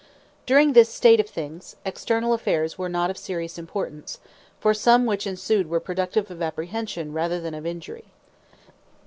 During this state of things, external affairs were not of serious importance, for some which ensued were productive of apprehension rather than of injury.